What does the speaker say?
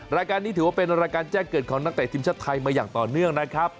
รายการนี้ถือว่าเป็นรายการแจ้งเกิดของนักเตะทีมชาติไทยมาอย่างต่อเนื่องนะครับ